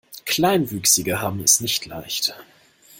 Kleinwüchsige haben es nicht leicht.